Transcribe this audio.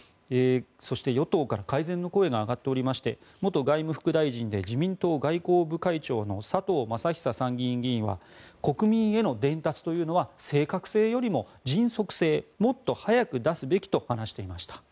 そして、与党から改善の声が上がっていまして元外務副大臣で自民党外交部会長の佐藤正久参議院議員は国民への伝達というのは正確性よりも迅速性もっと早く出すべきと話していました。